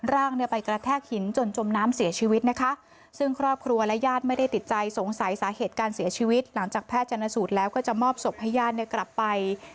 ร่างไปกระแทกหินจนจมน้ำเสียชีวิตนะคะ